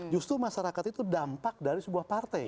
justru masyarakat itu dampak dari sebuah partai